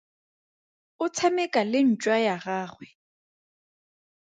O tshameka le ntšwa ya gagwe.